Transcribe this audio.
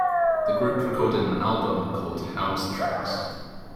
The group recorded an album, called "How's Tricks".